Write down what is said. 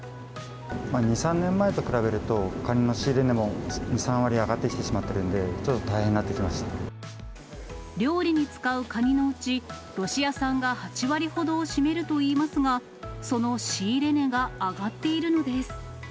２、３年前と比べると、カニの仕入れ値も２、３割、上がってきてしまってるんで、料理に使うカニのうち、ロシア産が８割ほどを占めるといいますが、その仕入れ値が上がっているのです。